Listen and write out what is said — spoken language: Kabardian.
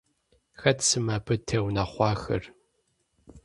Хэт сымэ абы теунэхъуахэр?